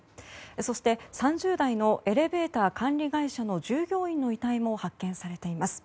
そして３０代のエレベーター管理会社の従業員の遺体も発見されています。